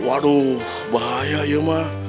waduh bahaya ya pak